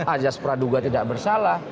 ajas praduga tidak bersalah